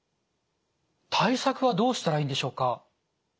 対策はどうしたらいいんでしょうか？